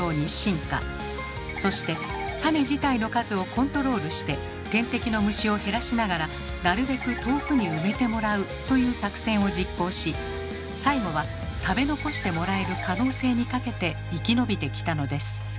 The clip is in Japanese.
そして種自体の数をコントロールして天敵の虫を減らしながらなるべく遠くに埋めてもらうという作戦を実行し最後は食べ残してもらえる可能性にかけて生き延びてきたのです。